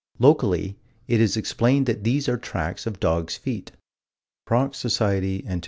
Locally it is explained that these are tracks of dogs' feet (_Proc. Soc. Antiq.